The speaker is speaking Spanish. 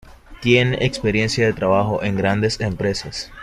Tiene experiencia de trabajo en grandes empresas.